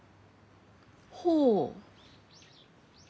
ほう。